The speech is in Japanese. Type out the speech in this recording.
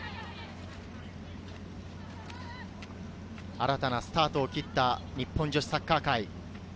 新たなスタートを切った、日本女子サッカー界。